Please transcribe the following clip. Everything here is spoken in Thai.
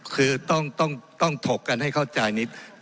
คือต้องถกกันให้เข้าใจนิด